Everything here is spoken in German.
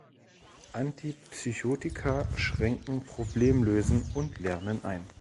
Antipsychotika schränken Problemlösen und Lernen ein.